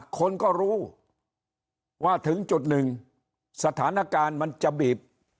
คนก็รู้ว่าถึงจุดหนึ่งสถานการณ์มันจะบีบ